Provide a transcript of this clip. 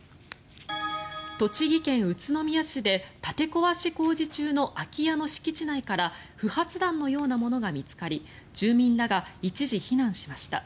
栃木県宇都宮市で建て壊し工事中の空き家の敷地内から不発弾のようなものが見つかり住民らが一時、避難しました。